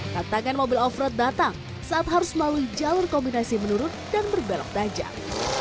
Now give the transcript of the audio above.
tantangan mobil off road datang saat harus melalui jalur kombinasi menurun dan berbelok tajam